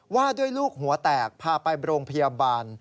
ว่าด้วยลูกหัวแตกพาไปโรงพยาบาล